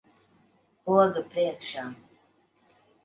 Poga priekšā.